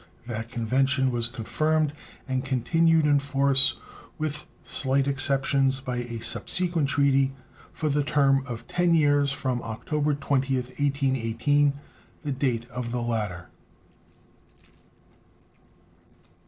That convention was confirmed and continued in force, with slight exceptions, by a subsequent treaty for the term of ten years from October 20th, 1818, the date of the latter.